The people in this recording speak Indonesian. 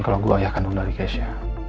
kalo gue ayah kandung dari keisha